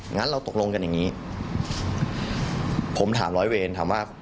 งั้นเราตกลงกันอย่างนี้ผมถามร้อยเวรถามว่า